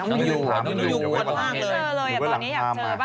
ตอนนี้อยากเจอบ้างอะ